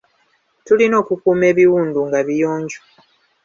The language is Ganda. Tulina okukuuma ebiwundu nga biyonjo.